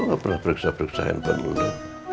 gue gak pernah periksa periksa handphone dulu